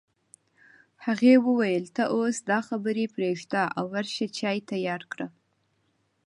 هغې وویل ته اوس دا خبرې پرېږده او ورشه چای تيار کړه